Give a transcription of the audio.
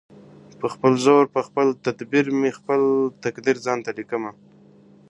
• په خپل زور په خپل تدبیر مي خپل تقدیر ځانته لیکمه -